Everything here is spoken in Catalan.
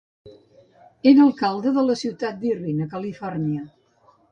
Era alcalde de la ciutat d'Irvine, a Califòrnia.